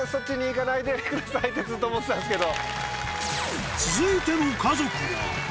くださいってずっと思ってたんですけど。